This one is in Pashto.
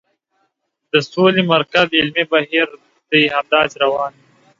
د سولې مرکز علمي بهیر دې همداسې روان وي.